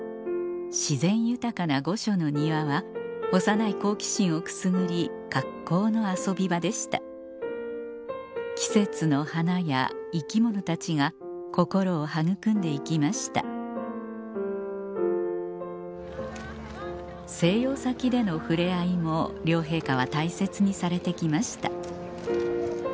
自然豊かな御所の庭は幼い好奇心をくすぐり格好の遊び場でした季節の花や生き物たちが心を育んで行きました静養先での触れ合いも両陛下は大切にされて来ました